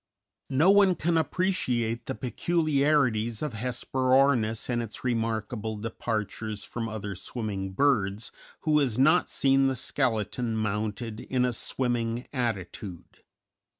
No one can appreciate the peculiarities of Hesperornis and its remarkable departures from other swimming birds who has not seen the skeleton mounted in a swimming attitude.